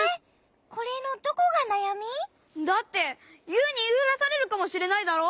これのどこがなやみ？だってユウにいいふらされるかもしれないだろ？